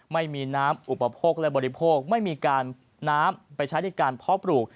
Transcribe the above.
ไม่มีน้ำอุปโภคและบริโภคไม่มีการน้ำไปใช้ในการเพาะปลูก